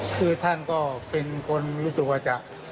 คือท่านก็เป็นคนรู้สึกว่าจะ